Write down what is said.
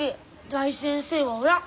大先生はおらん。